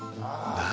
何？